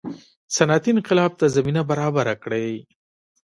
صنعتي انقلاب ته زمینه برابره کړي.